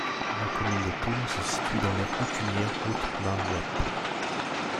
La commune de Poum se situe dans l’aire coutumière Hoot Ma Waap.